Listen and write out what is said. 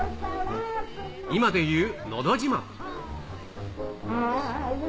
今でいう、のど自慢。